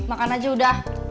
makan aja udah